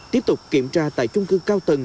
tiếp tục kiểm tra tại trung cư cao tầng